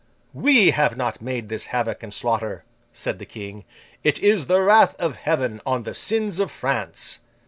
'We have not made this havoc and slaughter,' said the King. 'It is the wrath of Heaven on the sins of France.